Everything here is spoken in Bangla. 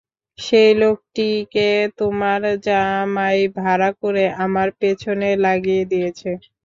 সেই লোকটিকে তোমার জামাই ভাড়া করে আমার পেছনে লাগিয়ে দিয়েছে।